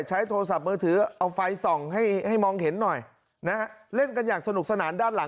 ใช้โทรศัพท์มือถือเอาไฟส่องให้ให้มองเห็นหน่อยนะฮะเล่นกันอย่างสนุกสนานด้านหลัง